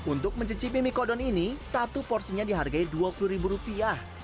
untuk mencicipi mikodon ini satu porsinya dihargai dua puluh rupiah